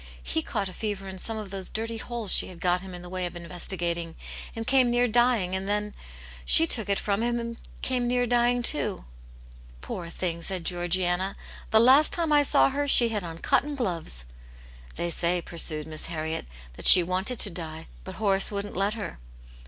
" He caught a fever in some of those dirty holes she had got him in the way of investigating, and came near dying, and then she took it from him and came near dying too," " Poor thing !" said Georgiana. " The last time I saw her she had on cotton gloves." "They say," pursued Miss Harriet, "that she wanted to die, but Horace wouldn't let her."